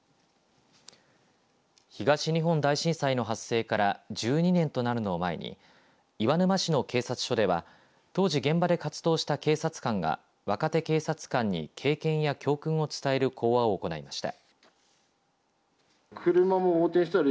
東日本大震災の発生から１２年となるのを前に岩沼市の警察署では当時、現場で活動した警察官が若手警察官に経験や教訓を伝える講話を行いました。